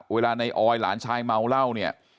เวลาในออยหลานชายเมาเหล้าเนี่ย